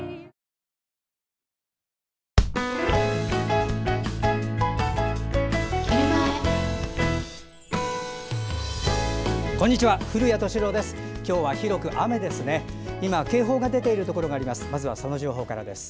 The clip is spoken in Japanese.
今、警報が出ているところがあります。